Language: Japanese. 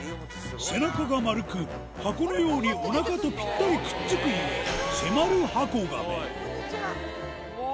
背中が丸く箱のようにおなかとぴったりくっつく故